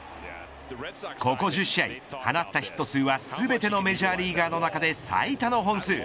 ここ１０試合、放ったヒット数は全てのメジャーリーガーの中で最多の本数。